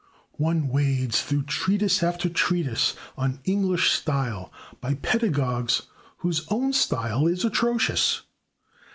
One wades through treatise after treatise on English style by pedagogues whose own style is atrocious.